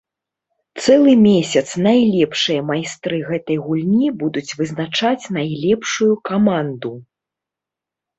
Цэлы месяц найлепшыя майстры гэтай гульні будуць вызначаць найлепшую каманду.